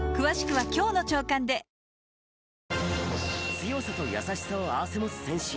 強さと優しさを併せ持つ戦士！